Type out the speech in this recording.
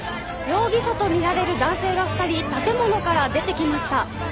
容疑者と見られる男性が２人建物から出てきました。